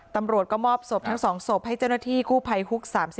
ตำรวจก็มอบศพทั้ง๒ศพให้เจ้าหน้าที่กู้ภัยฮุก๓๒